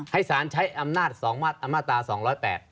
ให้ศาลใช้อำนาจสองมาตรอำนาจสองร้อยแปด